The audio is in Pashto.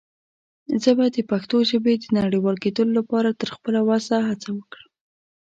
زه به دَ پښتو ژبې د نړيوال کيدلو لپاره تر خپله وسه هڅه وکړم.